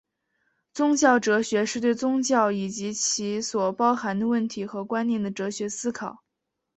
宗教哲学是对宗教以及其所包含的问题和观念的哲学思考。